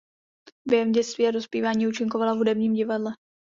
Během dětství a dospívání účinkovala v hudebním divadle.